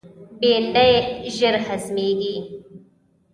بېنډۍ ژر هضمیږي